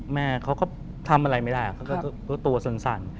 แม่เขาก็ทำอะไรไม่ได้เขาก็รู้ตัวสั่น